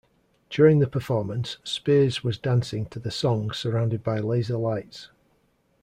During the performance, Spears was dancing to the song surrounded by laser lights.